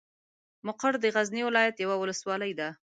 مقر د غزني ولايت یوه ولسوالۍ ده.